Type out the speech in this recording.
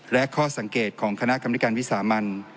และข้อสังเกตของคณะกรรมนิการวิสามัน